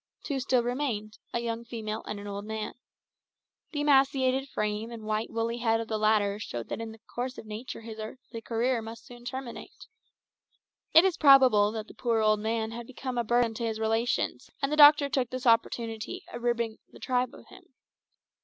Two still remained a young female and an old man. The emaciated frame and white woolly head of the latter showed that in the course of nature his earthly career must soon terminate. It is probable that the poor old man had become a burden to his relations, and the doctor took this opportunity of ridding the tribe of him.